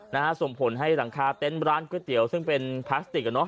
นะฮะส่งผลให้หลังคาเต็นต์ร้านก๋วยเตี๋ยวซึ่งเป็นพลาสติกอ่ะเนอ